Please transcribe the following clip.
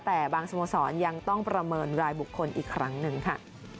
แต่บางสโมสรยังต้องประเมินรายบุคคลอีกครั้งหนึ่งค่ะ